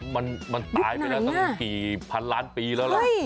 มันตายไปตั้งแต่กี่พันล้านปีแล้ว